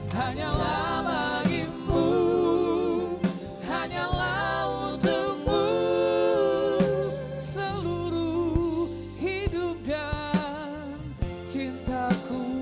hanyalah langitmu hanyalah untukmu seluruh hidup dan cintaku